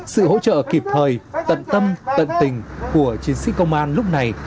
sự hỗ trợ kịp thời tận tâm tận tình của chiến sĩ công an lúc này